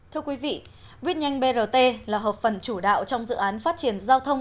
thưa quý vị vít nhanh brt là hợp phần chủ đạo trong dự án phát triển giao thông